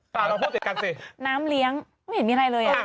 เราพูดติดกันสิน้ำเลี้ยงไม่เห็นมีอะไรเลยอ่ะ